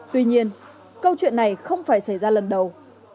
tuy nhiên câu chuyện này không phải xảy ra lần đầu